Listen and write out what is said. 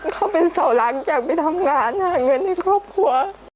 เขาเป็นเสาหลังจากไปทำงานหาเงินให้ครอบครัว